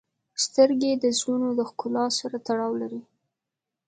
• سترګې د زړونو د ښکلا سره تړاو لري.